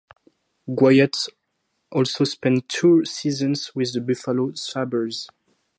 Goyette also spent two seasons with the Buffalo Sabres.